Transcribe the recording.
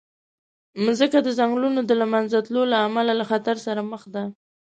مځکه د ځنګلونو د له منځه تلو له امله له خطر سره مخ ده.